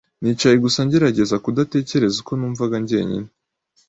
Nicaye gusa ngerageza kudatekereza uko numvaga njyenyine .